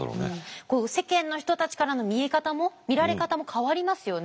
世間の人たちからの見え方も見られ方も変わりますよね